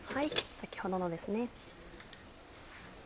先ほどのですね。